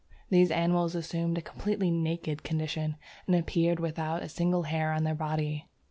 These animals assumed a completely naked condition, and appeared without a single hair on their body.